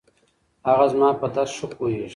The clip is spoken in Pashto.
هغه زما په درد ښه پوهېږي.